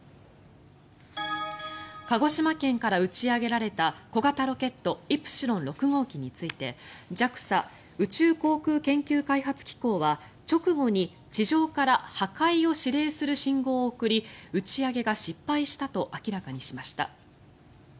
鹿児島県から打ち上げられた小型ロケットイプシロン６号機についてＪＡＸＡ・宇宙航空研究開発機構は直後に地上から破壊を指令する信号を送り打ち上げが失敗したと明らかにしました。